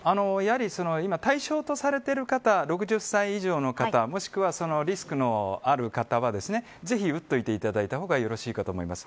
今、対象とされている方６０歳以上の方もしくは、そのリスクのある方はぜひ打っておいていただいた方がよろしいかと思います。